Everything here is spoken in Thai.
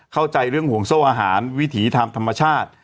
เข้าใจเรื่องห่วงโซ่อาหารวิถีทางธรรมชาติ